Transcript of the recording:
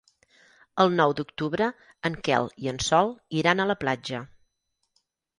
El nou d'octubre en Quel i en Sol iran a la platja.